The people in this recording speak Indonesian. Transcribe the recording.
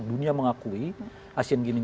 dunia mengakui asean games